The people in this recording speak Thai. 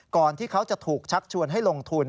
ที่เขาจะถูกชักชวนให้ลงทุน